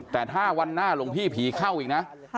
แต่ถ้าวันหน้าหลวงพี่ผีเข้าอีกนะ